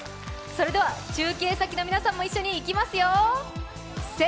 それでは中継先の皆さんも一緒にいきますよ。